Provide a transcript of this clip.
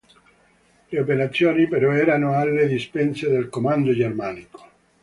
Le operazioni, però, erano alle dipendenze del comando germanico.